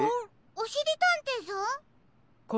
おしりたんていさん？